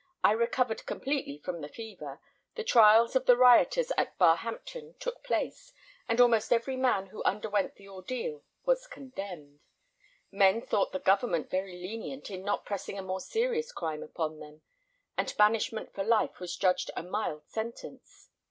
I recovered completely from the fever. The trials of the rioters at Barhampton took place, and almost every man who underwent the ordeal was condemned. Men thought the government very lenient in not pressing a more serious crime upon them, and banishment for life was judged a mild sentence.